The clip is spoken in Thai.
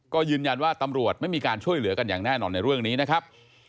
ก็ยืนยันว่าตำรวจไม่มีการช่วยเหลือกันอย่างแน่นอนในเรื่องนี้นะครับ